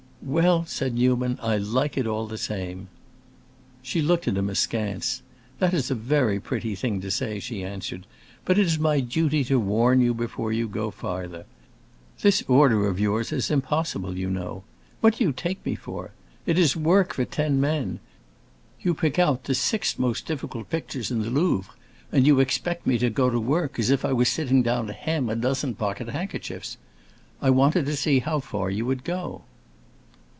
"Well," said Newman, "I like it all the same!" She looked at him askance. "That is a very pretty thing to say," she answered; "but it is my duty to warn you before you go farther. This order of yours is impossible, you know. What do you take me for? It is work for ten men. You pick out the six most difficult pictures in the Louvre, and you expect me to go to work as if I were sitting down to hem a dozen pocket handkerchiefs. I wanted to see how far you would go."